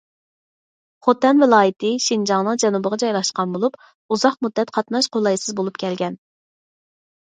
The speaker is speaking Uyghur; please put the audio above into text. خوتەن ۋىلايىتى شىنجاڭنىڭ جەنۇبىغا جايلاشقان بولۇپ، ئۇزاق مۇددەت قاتناش قولايسىز بولۇپ كەلگەن.